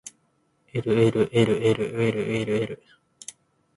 ｌｌｌｌｌｌｌ